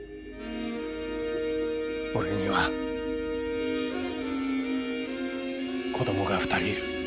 俺には子どもが２人いる。